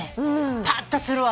パッとするわね。